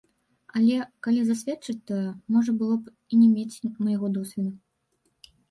Але, каб засведчыць тое, можна было б і не мець майго досведу.